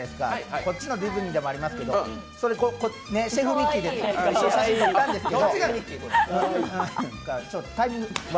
こっちのディズニーでもありますけれども、シェフミッキーと一緒に撮ったんですけど